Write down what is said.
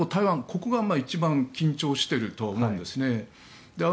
ここが一番緊張していると思うんですね。